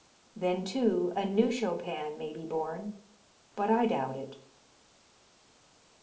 Then too a new Chopin may be born, but I doubt it.